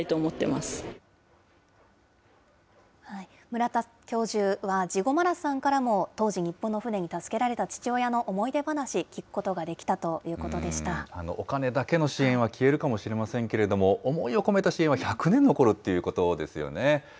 村田教授は、ジゴマラスさんからも当時、日本の船に助けられた父親の思い出話、聞くことができたというこお金だけの支援は消えるかもしれませんけれども、思いを込めた支援は１００年残るっていうことですよね。